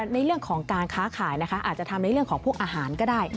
ในเรื่องของการค้าขายนะคะอาจจะทำในเรื่องของพวกอาหารก็ได้